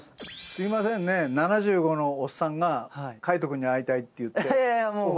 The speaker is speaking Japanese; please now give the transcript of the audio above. すいませんね７５のおっさんが海人君に会いたいっていってオファーしたんですけど。